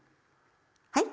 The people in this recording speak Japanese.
はい？